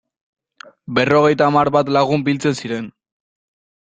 Berrogeita hamar bat lagun biltzen ziren.